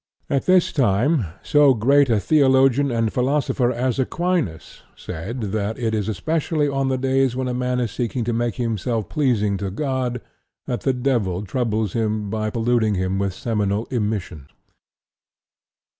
At this time so great a theologian and philosopher as Aquinas said that it is especially on the days when a man is seeking to make himself pleasing to God that the Devil troubles him by polluting him with seminal emissions.